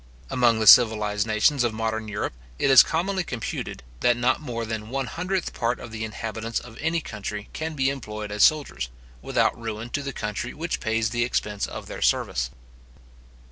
Among the civilized nations of modern Europe, it is commonly computed, that not more than the one hundredth part of the inhabitants of any country can be employed as soldiers, without ruin to the country which pays the expense of their service.